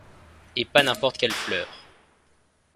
Et pas n'importe quelles fleurs